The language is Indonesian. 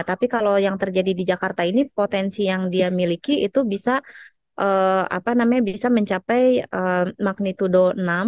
tapi kalau yang terjadi di jakarta ini potensi yang dia miliki itu bisa mencapai magnitudo enam